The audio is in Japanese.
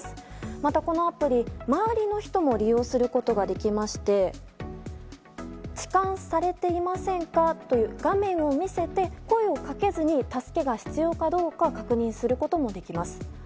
またこのアプリ、周りの人も利用することができまして「ちかんされていませんか？」という画面を見せて、声をかけずに助けが必要かどうか確認することもできます。